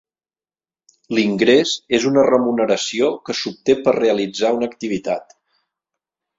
L'ingrés és una remuneració que s'obté per realitzar una activitat.